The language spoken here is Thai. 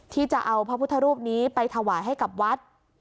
ที่จะเอาพระพุทธรูปนี้ไปถวายให้กับวัด